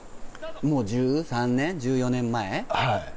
もう１３年１４年前？